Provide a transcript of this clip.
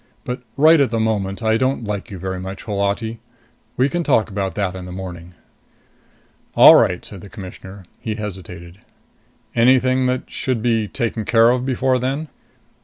But right at the moment I don't like you very much, Holati. We can talk about that in the morning." "All right," said the Commissioner. He hesitated. "Anything that should be taken care of before then?"